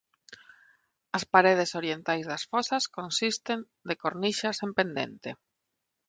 As paredes orientais das fosas consisten de "cornixas" en pendente.